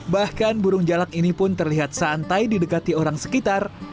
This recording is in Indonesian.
bahkan burung jalak ini pun terlihat santai didekati orang sekitar